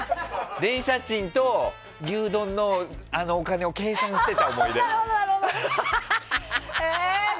電車賃と牛丼のお金を計算していた思い出。